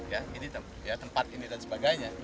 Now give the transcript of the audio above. ya ini tempat ini dan sebagainya